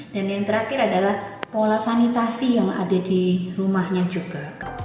dan yang terakhir adalah pola sanitasi yang ada di rumahnya juga